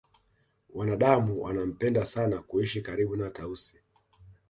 wanadamu wanampenda sana kuishi karibu na tausi